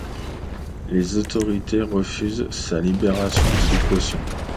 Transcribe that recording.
Les autorités refusent sa libération sous caution.